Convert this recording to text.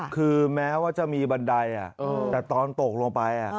คือแม้ว่าจะมีบันไดแต่ตอนตกลงไป